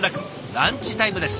ランチタイムです。